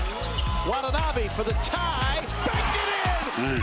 「うん」